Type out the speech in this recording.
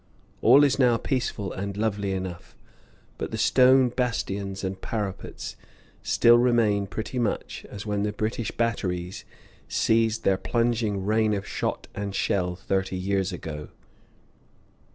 All is now peaceful and lovely enough, but the stone bastions and parapets still remain pretty much as when the British batteries ceased their plunging rain of shot and shell thirty years ago.